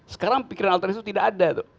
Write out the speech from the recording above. sekarang pikiran alternatif itu tidak ada tuh